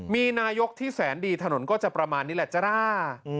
มีนายกที่แสนดีถนนก็จะประมาณนี้แหละจ้า